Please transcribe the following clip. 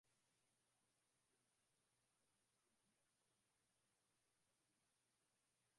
ah lakini kufuatana na hilo jambo ambalo tumeweza kufuatilia katika